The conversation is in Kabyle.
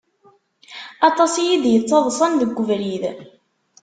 Aṭas iyi-d-yettaḍsan deg ubrid.